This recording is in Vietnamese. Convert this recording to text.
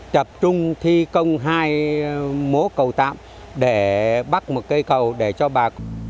tập trung thi công hai mố cầu tạm để bắt một cây cầu để cho bạc